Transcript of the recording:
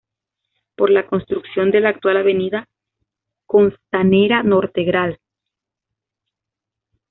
Por la construcción de la actual avenida Costanera norte Gral.